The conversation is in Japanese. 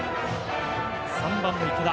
３番、池田。